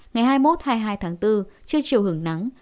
ngày hai mươi một hai mươi hai tháng bốn chưa chiều hưởng nắng